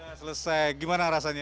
sudah selesai gimana rasanya